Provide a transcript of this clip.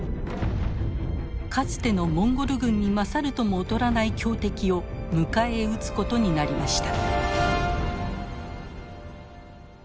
かつてのモンゴル軍に勝るとも劣らない強敵を迎え撃つことになりました。